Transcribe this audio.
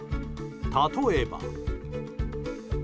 例えば。